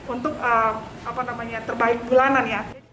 untuk terbaik bulanan